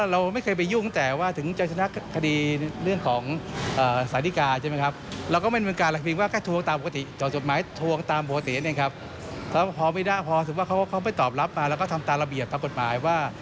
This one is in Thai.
แล้วก็ทำตามระเบียบตามกฎหมายว่า